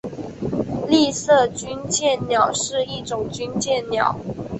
丽色军舰鸟是一种军舰鸟。